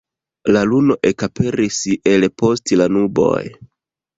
La luno ekaperis el post la nuboj.